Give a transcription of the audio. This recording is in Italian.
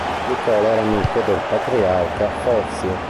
Nicola era amico del patriarca Fozio.